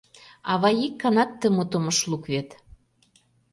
Авай ик ганат ты мутым ыш лук вет...